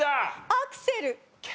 アクセル。